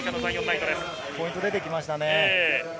ポイントが出てきましたね。